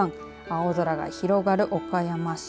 青空が広がる岡山市。